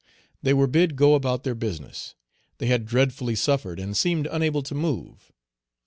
They were bid go about their business. They had dreadfully suffered, and seemed unable to move.